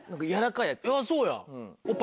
そうや！